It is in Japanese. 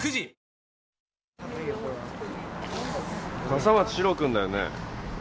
笠松士郎君だよね？